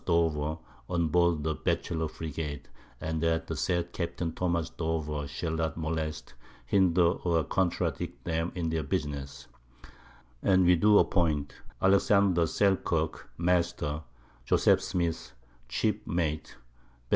Dover, on board the Batchelor Frigate, and that the said Capt. Tho. Dover shall not molest, hinder or contradict 'em in their Business; and we do appoint Alexander Selkirk Master, Joseph Smith chief Mate, Benj.